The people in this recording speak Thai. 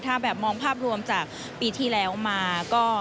ถ้าแบบมองภาพรวมจากปีที่แล้วมาก็